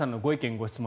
・ご質問